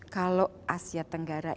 kalau asia tenggara